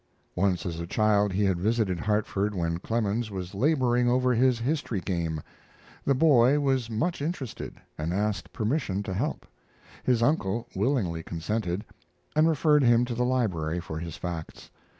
Once as a child he had visited Hartford when Clemens was laboring over his history game. The boy was much interested, and asked permission to help. His uncle willingly consented, and referred him to the library for his facts.